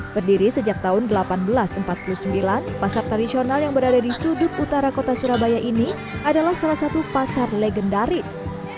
berdiri sejak tahun seribu delapan ratus empat puluh sembilan pasar tradisional yang berada di sudut utara kota surabaya ini adalah salah satu pasar legendaris